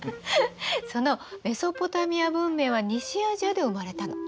そのメソポタミア文明は西アジアで生まれたの。